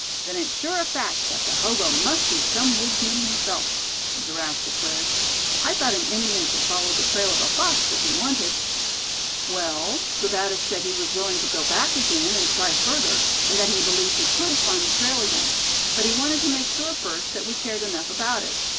"Then it's sure a fact that the hobo must be some woodsman himself," Giraffe declared. "I thought an Indian could follow the trail of a fox, if he wanted." "Well, Sebattis said he was willing to go back again, and try further, and that he believed he could find the trail again; but he wanted to make sure first that we cared enough about it.